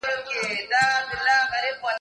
هر څوک غواړي چي خپل مال ولري.